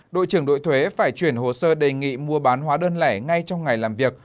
đội trưởng đội thuế phải chuyển hồ sơ đề nghị mua bán hóa đơn lẻ ngay trong ngày làm việc